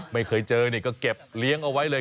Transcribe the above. ไม่เคยเจอนี่ก็เก็บเลี้ยงเอาไว้เลย